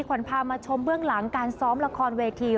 ขวัญพามาชมเบื้องหลังการซ้อมละครเวที